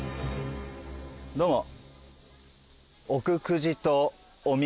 どうも。